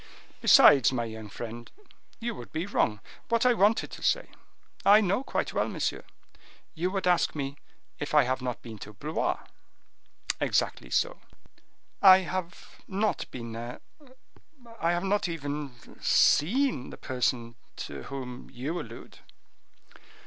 "Besides, my young friend, you would be wrong; what I wanted to say—" "I know quite well, monsieur. You would ask me if I have not been to Blois?" "Exactly so." "I have not been there; I have not even seen the person to whom you allude."